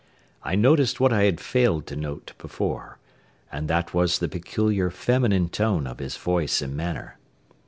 I noticed what I had failed to note before, and that was the peculiar feminine tone of his voice and manner.